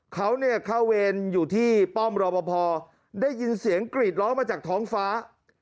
เขาเนี่ยเข้าเวรอยู่ที่ป้อมรอปภได้ยินเสียงกรีดร้องมาจากท้องฟ้า